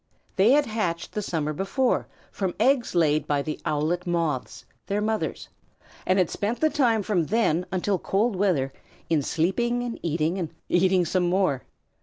They had hatched the summer before from eggs laid by the Owlet Moths, their mothers, and had spent the time from then until cold weather in eating and sleeping and eating some more.